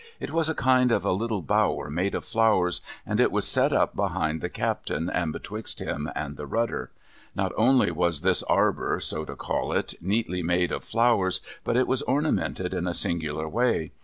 It was a kind of a little bower made of flowers, and it was set up behind the captain, and betwixt him and the rudder. Not only was this arbour, so to call it, neatly made of flowers, but it was ornamented in a singular way.